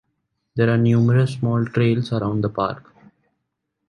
There are numerous small trails around the park.